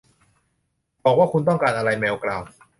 บอกว่าคุณต้องการอะไร แมวกล่าว